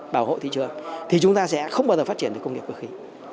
bảo hộ thị trường thì chúng ta sẽ không bao giờ phát triển được công nghiệp cơ khí